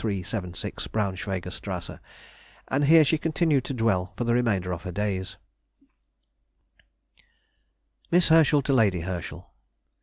376, Braunschweiger Strasse, and here she continued to dwell for the remainder of her days. MISS HERSCHEL TO LADY HERSCHEL.